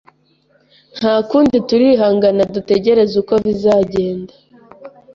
Ntakundi turihangana dutegereze uko bizagenda